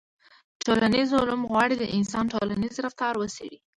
ټولنیز علوم غواړي د انسان ټولنیز رفتار وڅېړي.